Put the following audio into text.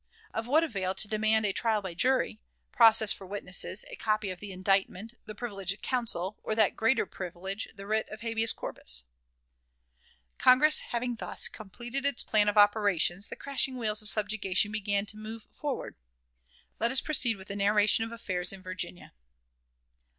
Of what avail to demand a trial by jury, process for witnesses, a copy of the indictment, the privilege of counsel, or that greater privilege, the writ of habeas corpus?" Congress having thus completed its plan of operations, the crashing wheels of subjugation began to move forward. Let us proceed with the narration of affairs in Virginia.